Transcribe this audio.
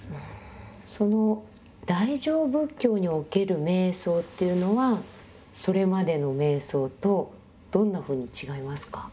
その大乗仏教における瞑想というのはそれまでの瞑想とどんなふうに違いますか？